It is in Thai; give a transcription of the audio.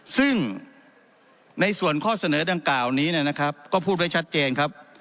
ซึ่งในส่วนข้อเสนอดังกล่าวนี้นะครับก็พูดไว้ชัดเจนครับ